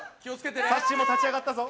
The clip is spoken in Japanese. さっしーも立ち上がったぞ。